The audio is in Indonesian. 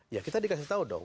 ya kita dikasih tahu dong